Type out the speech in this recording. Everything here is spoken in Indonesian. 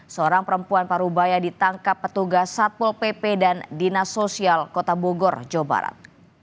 seorang perempuan parubaya ditangkap petugas satpol pp dan dinas sosial kota bogor jawa barat